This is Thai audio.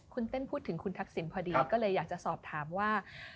คุณเต้นพูดถึงคุณทักษิณพอดีก็เลยอยากจะสอบถามว่า